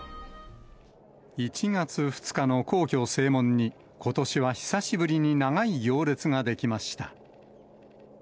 １月２日の皇居・正門に、ことしは久しぶりに長い行列が出来ました。